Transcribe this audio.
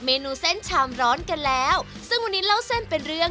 แล้วก็ความหอมของเส้น